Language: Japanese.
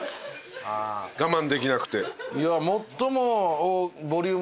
我慢できなくて。